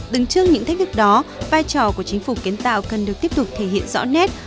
đứng trước những thách thức đó vai trò của chính phủ kiến tạo cần được tiếp tục thể hiện rõ nét